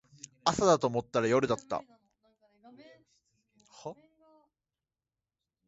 朝だと思ったら夜だった